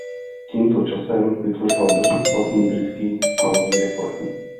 Tímto časem vytvořila dosud platný britský halový rekord.